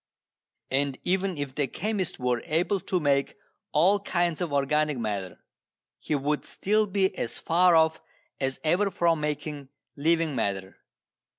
And even if the chemist were able to make all kinds of organic matter, he would still be as far off as ever from making living matter.